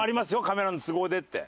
カメラの都合で」って。